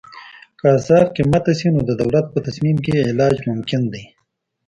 که اسعار قیمته شي نو د دولت په تصمیم یې علاج ممکن دی.